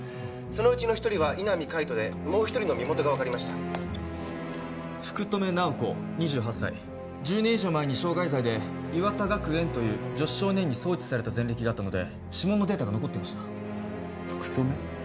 そのうちの一人は井波海人でもう一人の身元が分かりました福留奈保子２８歳１０年以上前に傷害罪で岩田学園という女子少年院に送致された前歴があったので指紋のデータが残っていました福留？